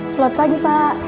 selamat pagi pak